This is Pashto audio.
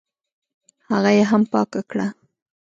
هغه یې هم پاکه کړه.